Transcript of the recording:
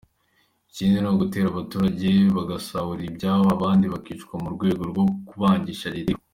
Ikindi n’ugutera abaturage bagasahura ibyabo , abandi bakicwa murwego rwo kubangisha Leta iriho.